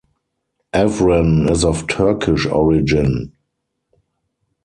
Evren is of Turkish origin.